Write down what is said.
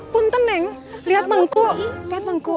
punten nenk lihat mangku lihat mangku